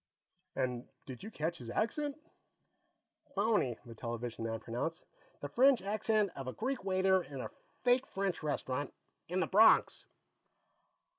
And did you catch his accent?" "Phony," the television man pronounced. "The French accent of a Greek waiter in a fake French restaurant. In the Bronx."